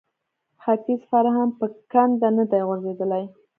ختیز فرهنګ په کنده نه دی غورځېدلی